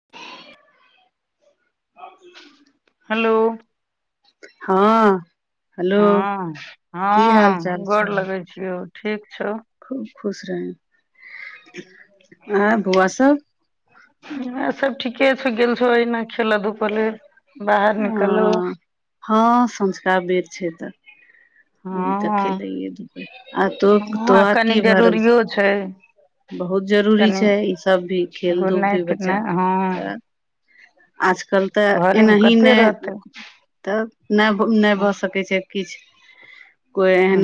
[unintelligible] Hello! हँ। Hello हँ- की हाल हँ चाल गोर छौ लगेै छियौ, ठीक छौ। खूब खुश रहु, आ बौआ सब? ह सब ठीके छौ, गेल छो ओहिना खेलऽ धुपऽ लेल। हँं- हँ सँझुका बेर छैय तऽ। अभी तक हँ खेलैए- धुपैए, आ तो -तो हँ आ ओर कनि की भ रहल जरूरियो छै छौ। बहुत जरूरी कनि छैय, इ सब भी खेल धूप घुरनाइ भी बच्चा फिरनाइ हँ त आजकल तऽ घरे एनाही मे, कते रहतै तब नै- नै भऽ सकै छै किछ।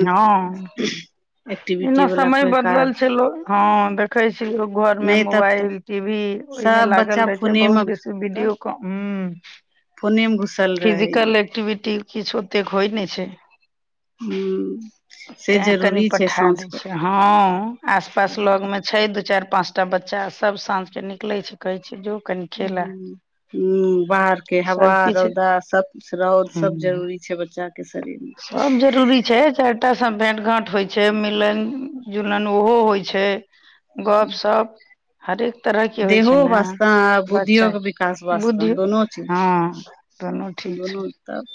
हँ, एक्टिविटी एना वला समय कोइ बदलल काज छै लो। हँ, देखेै छी घर में नहि तब तऽ मोबाइल टी वी ओय में सब लागल बच्चा रहे छै, फोने मे बहुत बेसी तब वीडियो क हूँ, फोने मे घुसल रहैये फिजिकल एक्टिविटी किछ ओतेक होय नैय छैय। हूँ। से तें कनि जरूरी छै पठा दै साँझके छै, हँ, आस -पास लग में छैय, दू, चैर, पाँच टा बच्चा सब, साँझ के निकलेै छैय। कहैय छिये, जो कनि खेल आ। हूँ हूँ, बाहर के हवा, रौदा सब रौद सब जरूरी छै बच्चा के शरीर मे। काम जरूरी छै चारटा सब भेंट घाट होय छै, मिलन जुलन उहो होय छै। गप-शप हर एक तरह के होय देहो छै नै वास्ते आ बुद्धियो बच्चा विकास के बुद्धि वास्ते हां। दूनू ची दुनू तब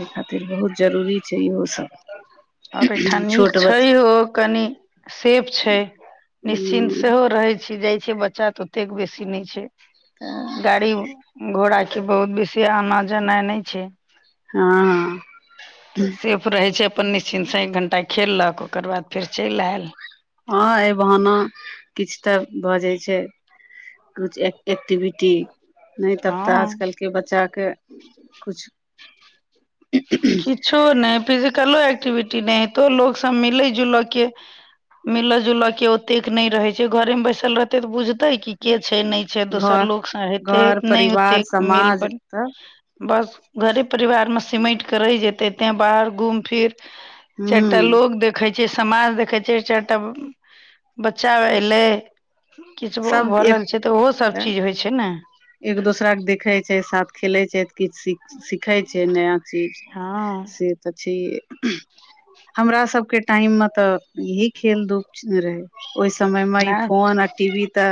ए खातिर बहुत जरूरी छै इहो सब। और एठा नीक छोट बच्चा छहियौ कनी सेफ छै, निश्चिन्त हूँ सेहो रहय छी, जाए छैै बच्चा तै ओतेक बेसी नै छै। तै। गाड़ी-घोड़ा के बहुत बेसी आना जनाय नै छै। हॉं। तऽ सेफ रहय छै अपन निश्चिन्त से एक घण्टा खेललक ओकर बाद फेर चैल ऐल हॉं ऐ बहाना किछ तै भऽ जाए छै। कुछ एक्ट एक्टिविटी नै तब तऽ हँ आज काएल के बच्चा केँ कुछ किछो नै फिजिकलो एक्टिविटी नै हेतय लोकसब मिलय जुलय के मिलऽ जुलऽ के ओतेक नै रहय छै घरे मे बैसल रह एतेक बुझतै की के छै नै छै घर दोसर लोक से हेतै नै ओतेक मिल पर तब बस घरे परिवार मे सिमेट के रह जेते ते बाहर घूम फिर चाएर टा हूँ लोक देखय छै, समाज देखय छै, चाएर टा बच्चा एलै। किछ सब भऽ एक रहल छै तऽ उहो सब चीज होय छै नै। एक दोसरा के देखय छै साथ खेलय छै तै किछ सीख सिखय छै नया चीज हँ से तऽ छीयै हमरा सबके टाइम मे तै यही खेल धूप रहय। ओय समय मे ई ने फोन आ टी वी तै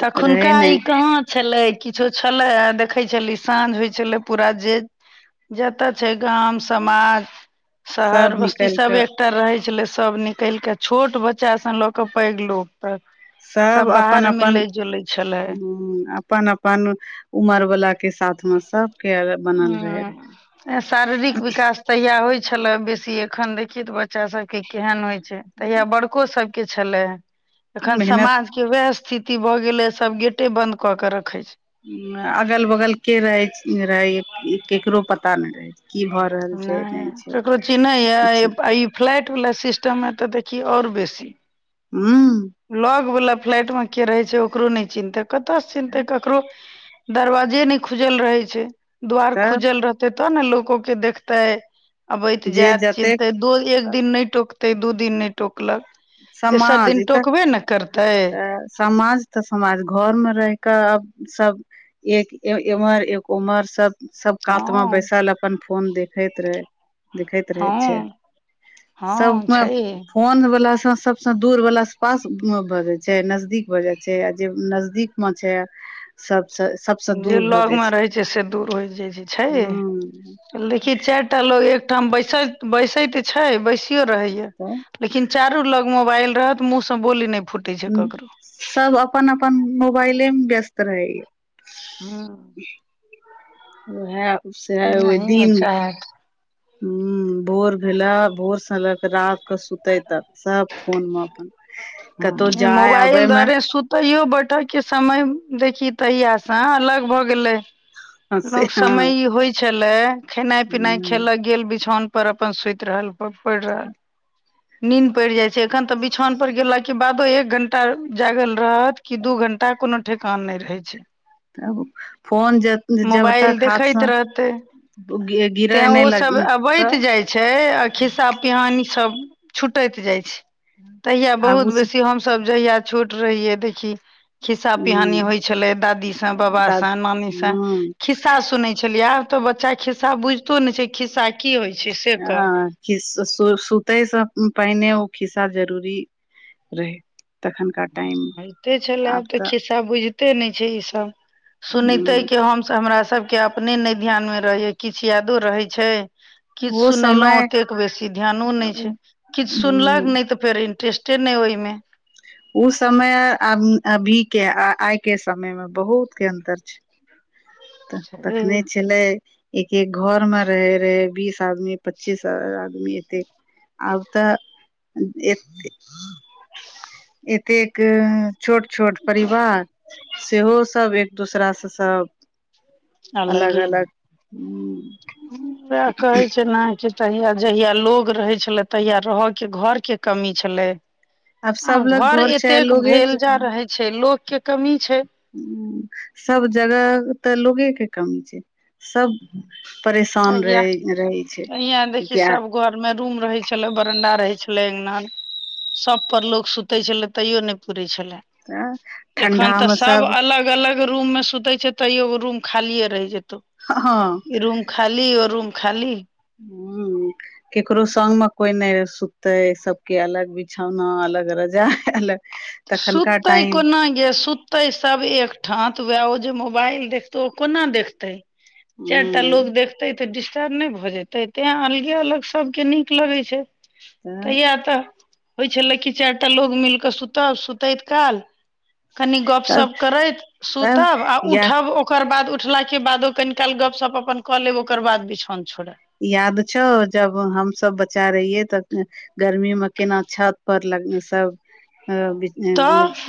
तखुनका ई कहाँ छलै किछो छलै आ देखय छली साँझ होय छलै पूरा जे जतऽ छै गाम, समाज, सब शहर, बस्ती निकल कऽ सबे तऽ रहै छलै सब निकल कै छोट बच्चाँ स लऽ क पैग लोक तक सब बाहर अपन-अपन मिलै जुलै छलै हुं अपन-अपन उमर बला के साथ मे सब हुं ऐं शारीरिक विकास तहिया होय छलाए बेसी एखेन देखि तऽ बच्चा सब के केहेन होय छै रहे तहिया बड़को सब के छलय हें एखन मेहनत समाज के वैह स्थिति भ गेलय सब गेटे बंद कऽ के रखय छै। उम्म अगल-बगल के रहय छै, रहय केकरो पता नै रहय की भ नै केकरो चीन्हय यै किछु ई फ्लैटबला सिस्टम मे तऽ देखि और बेसी हुं। लग बला फ्लाैट मे के रहय छै ओकरो नै चिन्हतै कतय से चिन्हतै ककरो दरवाजे नै खुजल रहय छै, द्वार तऽ खुजल रहतै त न लोको के देखतै अबैत जे जाएत जतेक चिन्हतै दो एक दिन नै टोकतै दू दिन नै टोकलक तेसर समाज दिन ई तै टोकबे ने करतै तै समाज तऽ समाज घर मे रहके आब सब एक इम्हर एक उम्हर सब सब हँ कात मे बैसल अपन फोन देखैत रहय लिखैत रहै छै, हँ हँ सबमे छै फोन बला सबसे दूर वला पास भऽ जाय छै नजदीक भऽ जाय छै, आ जे नजदीक में छै सबसे जे लगमे रहै छै से दूर होइ जाइ छै, छै हँ गै लेकिन चारि टा लोग एकठाम बैसैत, बैसैते छै, बैसिये रहैये। तऽ लेकिन चारू लग मोबाइल रहत मुह से बोली नहि फूटे छै हूँ ककरो। सब अपन अपन मोबाइले मे व्यस्त रहेये। हुं। वैह से ओहि नहियो दिन चाहत हं भोर भेला, भोर से लऽ कऽ राति के सुते तक सब फोन मे अपन कतहु हं जाय आबे मोबाल मे द्वारे सुत तैयो बैठक के समय देखी तहिया से अलग भए गेले। से लोक हँ समय ई होइ छलै खेनाइ पिनाइ हूँ खेलक गेल बिछौन पर अपन सुति रहल, पड़ि रहल, नींद पड़ि जाय छै एखन तऽ बिछौन पर गेलक के बादो एक घंटा जागल रहत कि दू घंटा कोनो ठेकान नहि रहे छै। तब फोन जे मोबाइल देखैत रहते तें गिरे नहि ओ सब लग तऽ अबैत जाय छै। छै आ खिस्सा पिहानी सब छुटैत जाइ छै। तहिया आगू बहुत से बेसी हमसभ जहिया छोट रहियै देखियै खिस्सा पिहानी ह होइ छलै दादी से, ह बाबासँ, नानी से खिस्सा सुनै छलियै आब त बच्चा खिस्सा बुझितो ने छै खिस्सा की होइ छै से। कह हं। खिस् सुतेसँ पहिने ओ खिस्सा जरूरी रहै। तखनका टाइम होइते छलै आब तऽ खिस्सा बुझिते नहि छै ई सब सुनै तैके हम हमरा सभके अपने नहि ध्यानमे रहैये किछु यादो रहै छै किछु ओ सुनेलहुँ समय ओतेक बेसी ध्यानो नहि छै, किछु सुनलैत नहि तऽ फेर इंटरेस्टे नहि ओहिमे ओ समय अभी के आइ के समय मे बहुत के अन्तर छै। तऽ तखने छलै। एक एक घर में रहै रहे बीस आदमी, पच्चीस आदमी, एते। आब तऽ एक एतेक छोट छोट परिवार, सेहो सब एक दूसरा से सब। अलग अलगे, अलग वैह कहै छले जे। तहिया जहिया लोग रहे छले तहिया रहय के घर के कमी छलै सब आब लग घर छै एतेक लोगे भेल के जा रहै छै लोक के कमी छै। हुं सब जगह तऽ लोगे के कमी छै। सब परेशान तहिया रहै रहै छै, तहिया देखि किया सब घर में रूम रहै छलै, बरंडा रहै छलै, अङ्गना मे सभपर लोक सुतै छलै तैयो नहि पुरै छलै। तऽ ठंडा एखन तऽ मे सब अलग अलग एगो रूम मे सुते छै तैयो रूम खालिए रहि जेतौ। हँ। इ रूम खाली, ओ रूम खाली। हूं। केकरो संग म कोइ नै सुततै सबके अलग बिछौना अलग रजाई अलग। तखनका सुततै टाइम कोना गे सुत तै सब एकठाँ त वेएह ओ जे मोबाइल देखतौ ओ कोना देखतै। चारिटा लोग देखतेै तऽ डिस्टर्ब नै भऽ जेतै तेंए अलगे अलग सबके नीक लगै छै ह तहिया तऽ होइ छलै कि चारि टा लोग मिल कऽ सुतल सुतैत काल कनि गप तब सब करैत तब सुतब आ या उठब ओ ओकर बाद उठला के बादो कनि काल गपशप अपन कऽ लेब ओकर बाद बिछौन छोड़ब। याद छौ जब हमसब बच्चा रहियै तऽ गर्मी म केना छत पर लग सब अ बि तऽह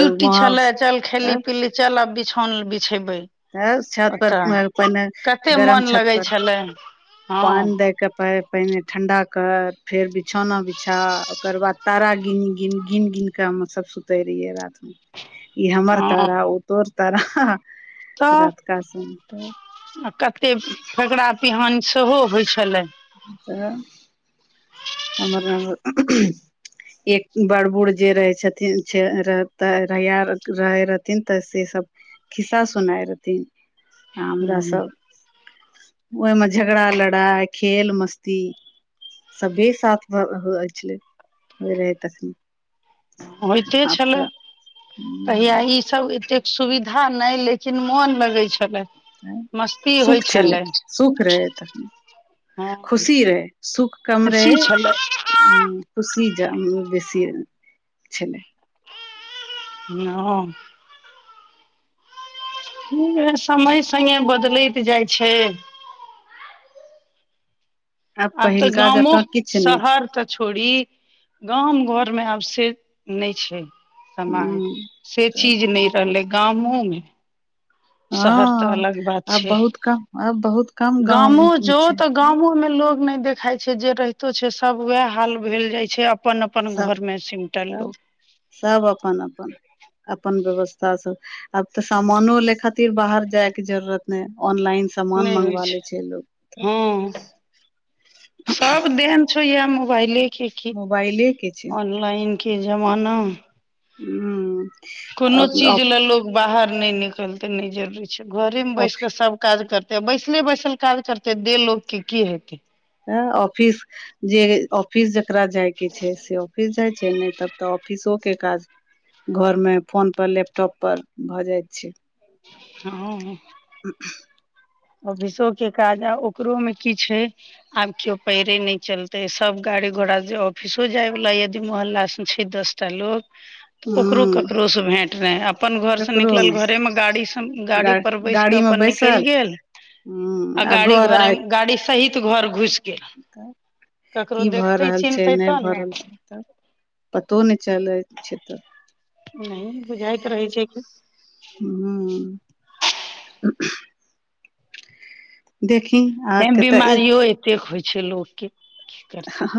ड्यूटी छले चल वहाँ खेली पिली चल आब बिछौन बिछेब्बै। तऽ छत पर पहिने कते गरम मोन छत लगै पर छलै हँ पान दय क पैर पहिने ठण्डा कऽर फेर बिछौना बिछा ओकर बाद तारा गिन- गिन- गिन -गिन के हम सब सुतै रहियै रातमे ई हमर हँ तारा ओ तोर तारा। रात का सुनतऽ आ कते फकरा पिहान सेहो होइ छले। तऽ। एमर- आमर एक बड़ बूढ़ जे रहै छथिन [unintelligible] तहिया रहै रहथिन तऽ से सब खिस्सा सुनाय रहथिन आ हमरा हूँ। सब ओइमे झगड़ा - लड़ाइ खेल मस्ती सब्बेस साथ भ होइ छलै होइ रहै तखनी। होइते छलै तहिया हुं ई सब एतेक सुविधा नै लेकिन मोन लगै छलै। मस्ती होइ सुख छलै सुख रहै तखनी। हँ खुशी रहै सुख कम खुशी रहै छलै उं। खुशी ज बेसीये छलै। हॅं। हिं रा समय संगे बदलैत जाइ छै। आब तऽ पहिलका गामो जकाँ किछु नहि छै शहर तऽ छोड़ी। गाम घर मे आब से नै छै समांग। हुं से तऽ चीज नै रहलै गामो मे। शहर तऽ हँ अलग बात आब छैह बहुत कम आब बहुत कम गाँव गामो जो छै तऽ गामो मे लोग नै देखाइ छै जे रहितो छै सब वेएह हाल भेल जाइ छै आब अपन- अपन सब घर मे सिमटल सब लोग। सब अपन -अपन अपन व्यवस्था सँ आब त सामानो लै खातिर बाहर जाय के जरूरत नै ऑनलाइन नै सामान होइ मंगवा छै। लै लोग तऽ हँ सब देन छौ येए मोबाइले के की मोबाइले के छै ऑनलाइन के जमाना। हूं। कोनो चीज ले लोग बाहर नै निकलतै नै जरूरी छै घरे म बैस क सब काज करतै। ते बैसले बैसल काज करतै देह लोक के की हेतै। हां ऑफिस जे ऑफिस जकरा जाय के छै से ऑफिस जाय छै ने तब तऽ ऑफिसो के काज घर मे, फोन पर लैपटॉप पर भऽ जाएत छै। हां। त ऑफिसो के काज आ ओकरो मे की छै आब कियो पैरे नै चलते, सब गाड़ी-घोड़ा जे ऑफिसो जाय बला यदि मोहल्ला से छै दसटा लोग। [inaudible] तऽ ओकरो ककरो से भेंट नै अ पन घर से ककरो निकलल नहि घरे मे गाड़ी स गाड़ी गा पर बैस के गाड़ी मे अपन बैसल निकैल गेल। हूँ आ गाड़ी घर घोरे मे गाड़ी सहित घर घुस तब की भऽ रहल छै चिन्हतै नै तब भऽ ने रहल छै तब। पतो नै चलैत छै तऽ। नहि बुझाएत रहै छै कि हुं। तैँ अहाँके तऽ बिमारियो एतेक होय छै लोक के। की करतै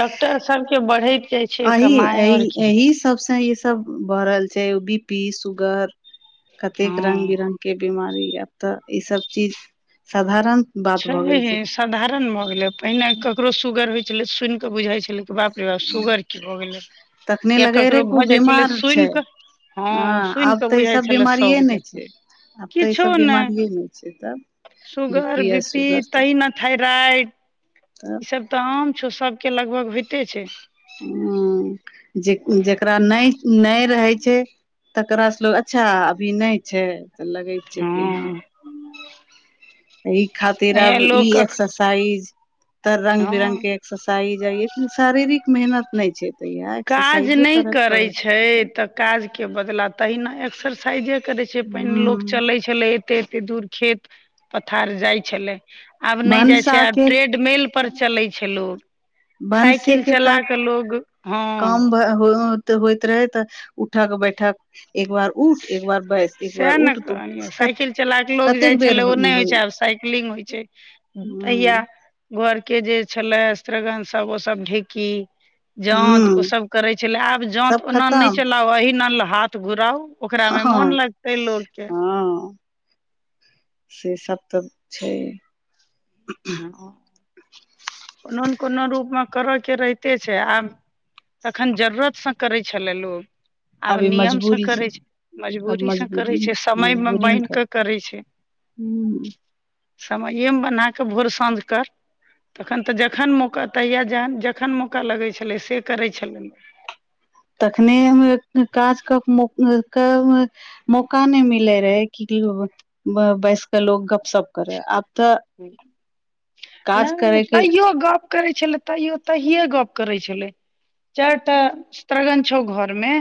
डॉक्टर सबके बढ़ैत जाय छै एहि कमाय और एहि की। एहि सबसँ ई सब उम्म बढ़ल छै उ बी पी, सुगर कतेक हँ रंग-बिरंग के बिमारी आब तऽ ई सब चीज साधारण बात भऽ गेल छै छैेये सधारण भऽ गेलै पहिने ककरो सुगर होय छलै सुन कऽ बुझाय छलै। त बाप रे बाप सुगर की भऽ गेलै तखने या लगे रे ककरो भऽ खूब जाय छलै बीमार सुन छै कऽ हाँ हँ सुन आब कऽ तऽ ई बुझाय सब छलै बीमारिये सौक नहि जका। छै आब तऽ ई सब बिमारिये नै छै तब। Sugar, B S P sugar सब तहिना थायराइड। तब तऽ आम छौ, सबके लगभग होएते छै। हुं जे जकरा नै, नै रहै छै। तकरा से लोग अच्छा अभी नै छै तऽ लगै छै कि हां। हां। एहि खातिर आब ई एक्सरसाइज तऽ रंग-बिरंग हँ के एक्सरसाइज आ ई [unintelligible] शारीरिक मेहनत नै छै। तऽ इएह काज एक्सरसाइजो नै करय करै पड़ै छै ह तऽ काज के बदला तहिना एक्सरसाइजे करै छै, पहिने लोक चलै छलै एते-एते दूर खेत-पथार जाय छलै। आब नै जाय भनसा छै, आब के ट्रेडमिल पर चलै छै लोग। साइकिल चला कऽ लोग हँ काम्ब होएत, होएत रहै तऽ उठक-बैठक एक बार उठ एक बार बैस एक बार साएह ने उठ त कहलियै साइकिल चला कऽ लोग जाय कतेक बेर छलै उ नै होय होइ छै, आब साइकिलिंग होय छै। उम्म तहिया ह घर के जे छलै श्रगण सब ओ सब ढेकी जाँत ओ ह सब करै छलै, आब जाँत सब ओना नै खतम चलाउ, एहिनाल हाथ घुराउ ओकरा हँ मे मोन लगतै लोक के। हँ से सब तऽ छै। हां, कोनो ने कोनो रूपमे करऽ के रहिते छै आब तखन जरूरत सँ करै छलै लोग आब अभी नियमसँ मजबूरी करै छै आब मजबूरीसँ मजबूरी करै छै समयमे बान्हि कऽ करै छै हूँ समइएमे बना कऽ भोर साँझ कर तखन तऽ जखन मौका तहियआ जहन जखन मौका लगै छलै से करै छलय तखने काज क [unintelligible] मौका नइ मिलै रहै कि बैस कऽ लोक गप सप करे आब तऽ काज नय करे के तैयो गप करै छले तैयो तहिये गप करै छलै चाइरटा स्रगन छौ घर मे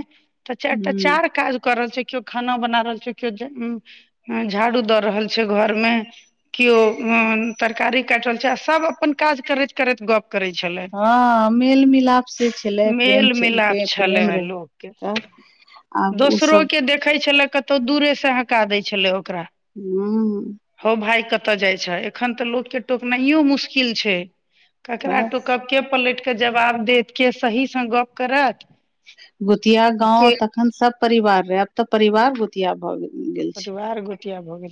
तऽ चाइरटा ह चार काज कर रहल छै केओ खाना बना रहल छै केओ अं झाड़ू द रहल छै घर मे किओ उं तरकारी काट रहल छै आ सब अपन काज करैत करैत गप करै छलै हँ मेल मिलाप से छलै प्रेम मेल छे मिलाप प्रेम रहै तऽ ह दोसरोके देखै छलै कतहु दूरेसँ हका दै छलै ओकरा हूँ हौ भाय कत जाइ छह एखन तऽ लोकके टोकनाइयो मुश्किल छै ककरा तऽ टोकब के पलट कऽ जवाब देत के सहीसँ गप करत गोतिया गांव के तखन सब परिवार रहे अब तऽ परिवार गोतिया भए गेल छै कटु आर गोटिया भऽ गेल